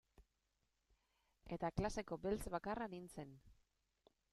Eta klaseko beltz bakarra nintzen.